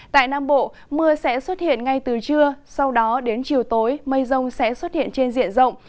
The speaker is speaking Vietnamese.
tại nam bộ mưa sẽ xuất hiện ngay từ trưa sau đó đến chiều tối mây rông sẽ xuất hiện trên diện rộng